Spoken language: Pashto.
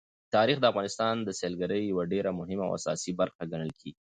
تاریخ د افغانستان د سیلګرۍ یوه ډېره مهمه او اساسي برخه ګڼل کېږي.